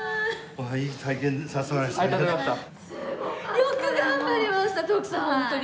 よく頑張りました徳さんホントに。